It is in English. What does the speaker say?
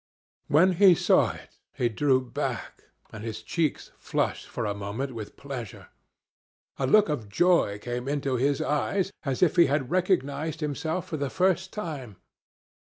When he saw it he drew back, and his cheeks flushed for a moment with pleasure. A look of joy came into his eyes, as if he had recognized himself for the first time.